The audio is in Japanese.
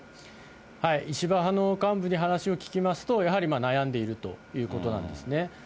石破派の幹部に話を聞きますと、やはり悩んでいるということなんですね。